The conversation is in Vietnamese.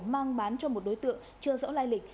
mang bán cho một đối tượng chưa rõ lai lịch